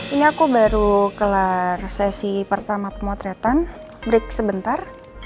ini aku baru kelar sesi pertama pemotretan break sebentar